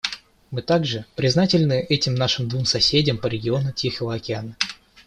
Мы также признательны этим нашим двум соседям по региону Тихого океана.